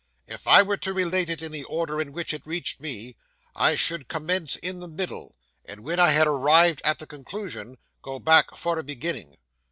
If I were to relate it in the order in which it reached me, I should commence in the middle, and when I had arrived at the conclusion, go back for a beginning.